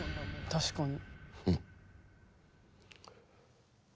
確かに。